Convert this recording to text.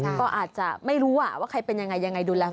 ก็อาจจะไม่รู้ว่าใครเป็นยังไงยังไงดูแล